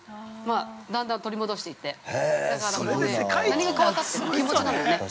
だんだん取り戻していって。何が変わったって気持ちなのよね。